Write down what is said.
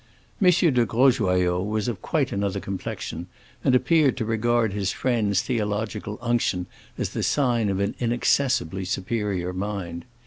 M. de Grosjoyaux was of quite another complexion, and appeared to regard his friend's theological unction as the sign of an inaccessibly superior mind.